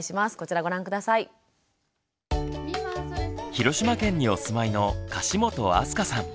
広島県にお住まいの樫本明日香さん。